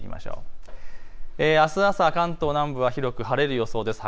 あす朝、関東南部は広く晴れる予想です。